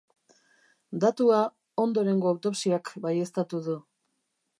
Datua ondorengo autopsiak baieztatu du.